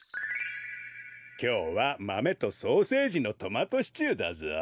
きょうはマメとソーセージのトマトシチューだぞ。